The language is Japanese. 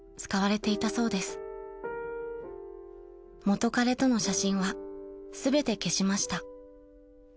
［元彼との写真は全て消しました］